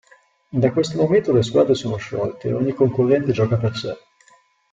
Da questo momento le squadre sono sciolte e ogni concorrente gioca per sé.